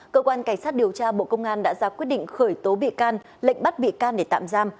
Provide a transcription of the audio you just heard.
cơ quan cảnh sát điều tra bộ công an đã ra quyết định khởi tố bị can lệnh bắt bị can để tạm giam